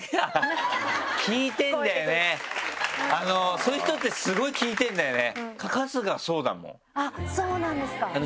そういう人ってスゴい聞いてるんだよね。